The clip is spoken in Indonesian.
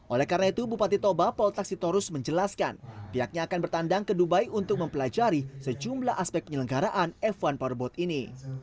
oleh karena itu bupati toba poltak sitorus menjelaskan pihaknya akan bertandang ke dubai untuk mempelajari sejumlah aspek penyelenggaraan f satu powerboat ini